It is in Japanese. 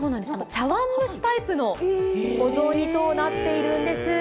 茶わん蒸しタイプのお雑煮となっているんです。